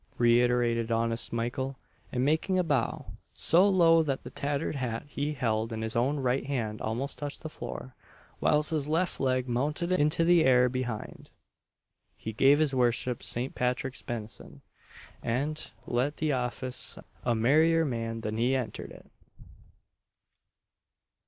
reiterated honest Mykle, and making a bow so low that the tattered hat he held in his own right hand almost touched the floor, whilst his left leg mounted into the air behind he gave his worship St. Patrick's benison, and let the office a merrier man than he entered it.